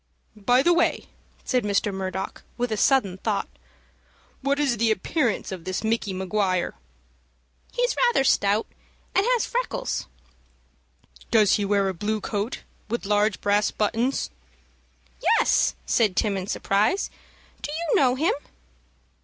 "By the way," said Mr. Murdock, with a sudden thought, "what is the appearance of this Micky Maguire?" "He's rather stout, and has freckles." "Does he wear a blue coat, with large brass buttons?" "Yes," said Tim, in surprise. "Do you know him?"